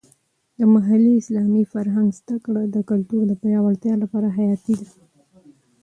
د محلي اسلامي فرهنګ زده کړه د کلتور د پیاوړتیا لپاره حیاتي ده.